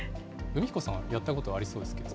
海彦さんはやったことありそうですけど。